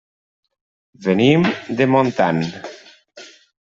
Venim de Montant.